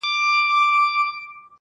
زما سره اوس لا هم د هغي بېوفا ياري ده.